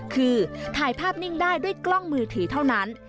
คือถ่ายภาพนิ่งได้ด้วยกล้องมือถือเท่านั้น